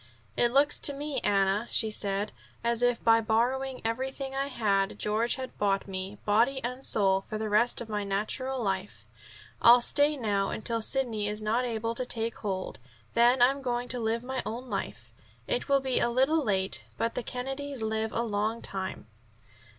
"It looks to me, Anna," she said, "as if by borrowing everything I had George had bought me, body and soul, for the rest of my natural life. I'll stay now until Sidney is able to take hold. Then I'm going to live my own life. It will be a little late, but the Kennedys live a long time."